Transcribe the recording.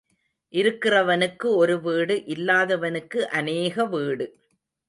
இருக்கிறவனுக்கு ஒரு வீடு இல்லாதவனுக்கு அநேக வீடு.